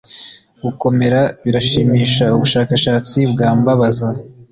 Gukomera birashimisha ubushakashatsi bwambabaza